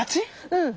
うん。